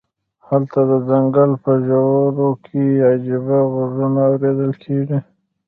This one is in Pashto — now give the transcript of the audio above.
هلته د ځنګل په ژورو کې عجیب غږونه اوریدل کیږي